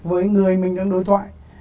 với người mình đang đối thoại